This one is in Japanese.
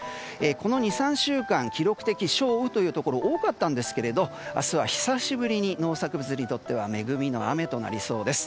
この２３週間記録的少雨というところが多かったんですが明日は久しぶりに農作物にとっては恵みの雨となりそうです。